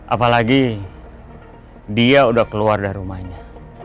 apalagi dia udah keluar dari rumahnya